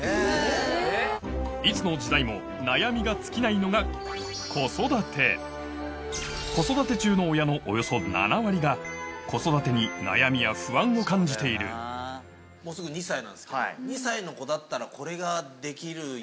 いつの時代も悩みが尽きないのが子育て中の親のおよそ７割が子育てに悩みや不安を感じているようになってますとか。